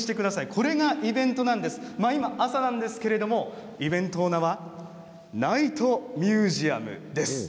これがイベントなんです今朝なんですけれどもイベントの名はナイトミュージアムといいます。